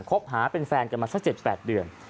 คบหาเป็นแฟนกันมาสัก๗๘เดือน